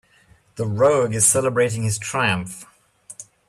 The rogue is celebrating his triumph.